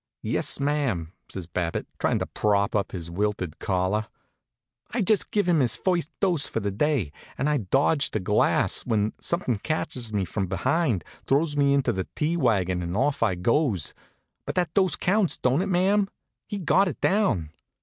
"Yes, ma'am," says Babbitt, tryin' to prop up his wilted collar. "I'd just give him his first dose for the day, and I'd dodged the glass, when somethin' catches me from behind, throws me into the tea wagon, and off I goes. But that dose counts, don't it, ma'am? He got it down."